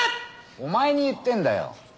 お前に言ってんだよ。